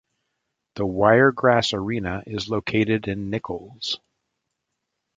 The Wiregrass Arena is located in Nicholls.